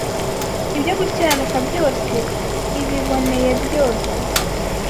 ibyo gukiranuka byose, ibiboneye byose